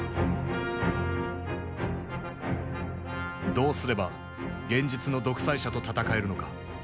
どうすれば現実の独裁者と闘えるのか。